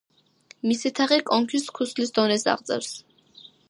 მისი თაღი კონქის ქუსლის დონეს აღწევს.